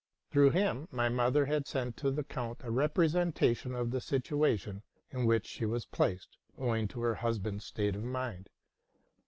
Through him my J fwd RELATING TO MY LIFE. mother had sent to the eount a representation of the situa tion in which she was placed, owing to her husband's state of mind.